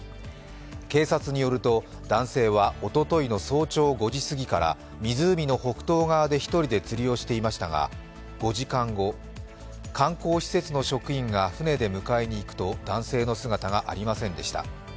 警察によると、男性はおとといの早朝５時過ぎから湖の北東側で一人で釣りをしていましたが、５時間後、観光施設の職員が船で迎えに行くと男性の姿がありませんでした。